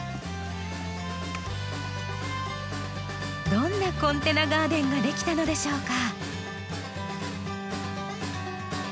どんなコンテナガーデンが出来たのでしょうか？